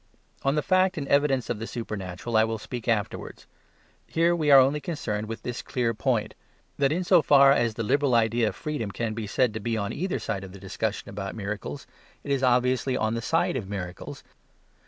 Of the fact and evidence of the supernatural I will speak afterwards. Here we are only concerned with this clear point; that in so far as the liberal idea of freedom can be said to be on either side in the discussion about miracles, it is obviously on the side of miracles.